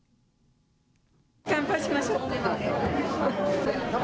乾杯しましょう。